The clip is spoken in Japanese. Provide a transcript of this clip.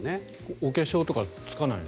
お化粧とかつかないの？